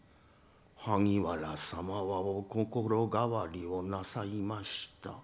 萩原様はお心変わりをなさいました。